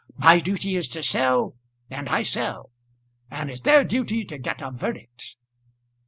My duty is to sell, and I sell; and it's their duty to get a verdict."